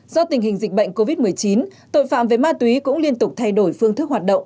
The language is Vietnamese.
do tình hình dịch bệnh covid một mươi chín tội phạm về ma túy cũng liên tục thay đổi phương thức hoạt động